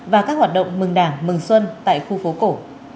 và các hoạt động mừng đảng mừng xuân tại khu phố cổ